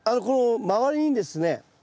この周りにですね